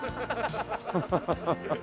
ハハハハハ。